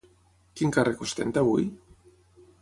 Quin càrrec ostenta avui?